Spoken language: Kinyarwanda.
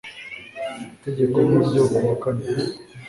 Itegeko niryo kuwa kane